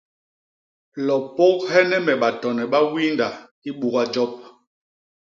Lo pôghene me batone ba wiinda i buga jop.